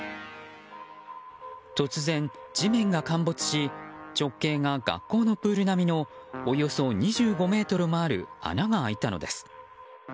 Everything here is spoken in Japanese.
突然、地面が陥没し直径が学校のプール並みのおよそ２５ｍもある穴が開いたのです。